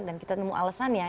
dan kita nemu alesannya